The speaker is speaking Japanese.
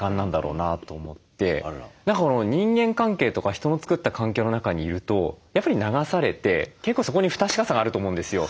何か人間関係とか人の作った環境の中にいるとやっぱり流されて結構そこに不確かさがあると思うんですよ。